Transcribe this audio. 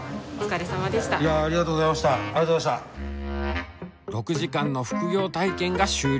６時間の副業体験が終了。